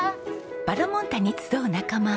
バラモン太に集う仲間